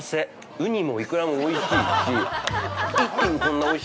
ウニもイクラもおいしいし。